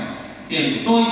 nghe cho tôi